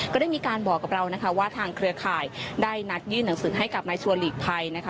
ก็ได้มีการบอกกับเรานะคะว่าทางเครือข่ายได้นัดยื่นหนังสือให้กับนายชัวร์หลีกภัยนะคะ